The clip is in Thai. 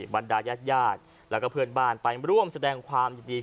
บรรดายาดแล้วก็เพื่อนบ้านไปร่วมแสดงความยินดี